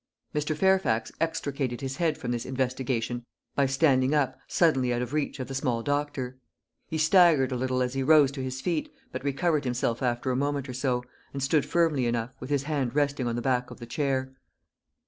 Mr. Fairfax extricated his head from this investigation by standing up suddenly out of reach of the small doctor. He staggered a little as he rose to his feet, but recovered himself after a moment or so, and stood firmly enough, with his hand resting on the back of the chair.